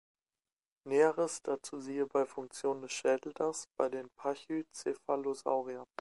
Näheres dazu siehe bei Funktion des Schädeldachs bei den Pachycephalosauria.